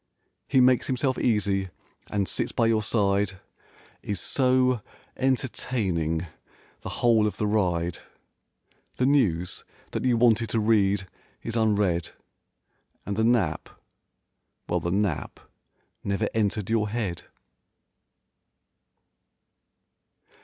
He makes himself easy and sits by your side, Is so entertaining (?) the whole of the ride. The news that you wanted to read is unread And the nap—well the nap never entered your head.